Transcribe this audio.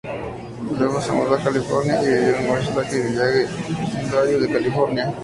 Luego se mudó a California y vivió en Westlake Village, vecindario de California.